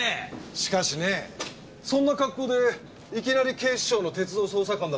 しかしねそんな格好でいきなり警視庁の鉄道捜査官だと言われてもね。